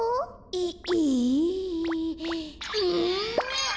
えっ！